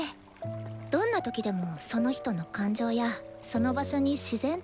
どんな時でもその人の感情やその場所に自然と溶け込めるっていうか。